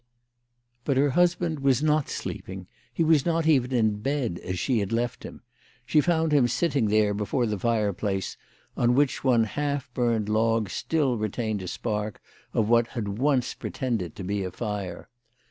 BUT her husband was not sleeping. He was not even in bed, as she had left him. She found him. sitting there before the fire place, on which one half burned log still retained a spark of what had once pretended to be a fire.